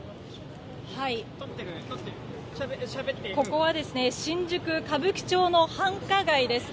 ここは新宿・歌舞伎町の繁華街です。